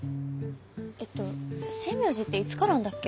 えっと星明寺っていつからあんだっけ？